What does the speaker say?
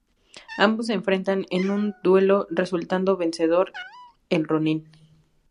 Ambos se enfrentan en un duelo, resultando vencedor el ronin.